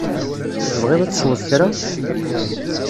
Tebɣiḍ ad tesweḍ kra?